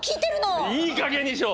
いいかげんにしろ！